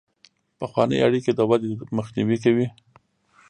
پخوانۍ اړیکې د ودې مخنیوی کوي.